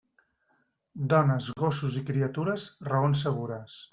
Dones, gossos i criatures, raons segures.